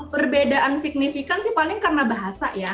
perbedaan signifikan sih paling karena bahasa ya